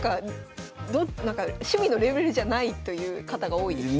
なんか趣味のレベルじゃないという方が多いです。